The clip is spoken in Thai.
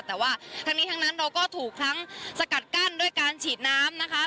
แต่ว่าทั้งนี้ทั้งนั้นเราก็ถูกทั้งสกัดกั้นด้วยการฉีดน้ำนะคะ